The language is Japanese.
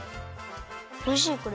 おいしいこれ。